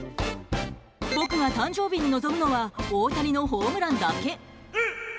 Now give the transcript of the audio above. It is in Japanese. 僕が誕生日に望むのは大谷のホームランだけ。